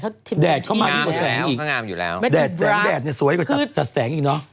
เขาก็งามอยู่แล้วแดดสวยกว่าจัดแสงอีกเนอะ